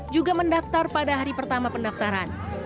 juga mendaftar pada hari pertama pendaftaran